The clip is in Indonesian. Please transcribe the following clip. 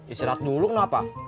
istirahat dulu kenapa